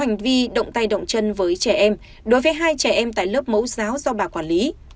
bà n có hành vi động tay động chân với trẻ em đối với hai trẻ em tại lớp mẫu giáo do bà quản lý